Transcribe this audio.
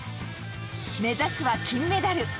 目指すは、金メダル。